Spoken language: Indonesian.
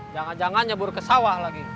jangan jangan nyebur kesawah lagi